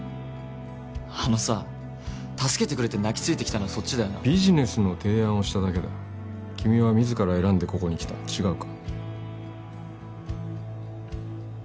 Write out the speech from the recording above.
あのさあ助けてくれって泣きついてきたのはそっちだよなビジネスの提案をしただけだ君は自ら選んでここに来た違うか？